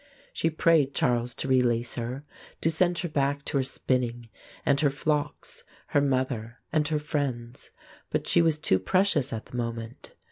She prayed Charles to release her, to send her back to her spinning and her flocks, her mother and her friends. But she was too precious at the moment.